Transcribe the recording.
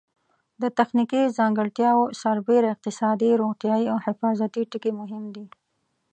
د تخنیکي ځانګړتیاوو سربېره اقتصادي، روغتیایي او حفاظتي ټکي مهم دي.